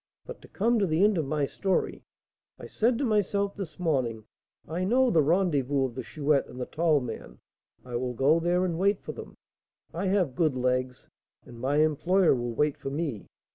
But to come to the end of my story. I said to myself this morning, I know the rendezvous of the Chouette and the tall man; I will go there and wait for them; I have good legs, and my employer will wait for me.